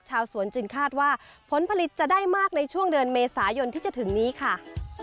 ชาวสวนจึงคาดว่าผลผลิตจะได้มากในช่วงเดือนเมษายนที่จะถึงนี้ค่ะ